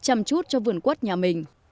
chăm chút cho vườn quất nhà mình